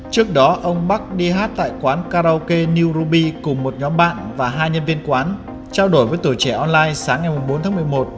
trước đó ông bắc đi hát tại quán karaoke new ruby cùng một nhóm bạn và hai nhân viên quán trao đổi với tuổi trẻ online sáng ngày bốn tháng một mươi một